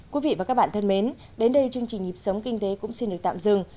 quý vị và các bạn thân mến đến đây chương trình nhịp sống kinh tế cũng xin được tạm dừng